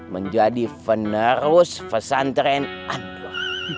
menjadi penerus pesantren anda